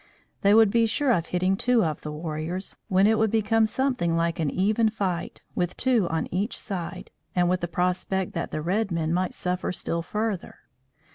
They would be sure of hitting two of the warriors, when it would become something like an even fight, with two on each side, and with the prospect that the red men might suffer still further.